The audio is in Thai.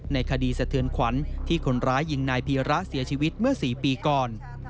ในคดีสะเทือนขวัญที่คนร้ายยิงนายพีระเสียชีวิตเมื่อ๔ปีก่อน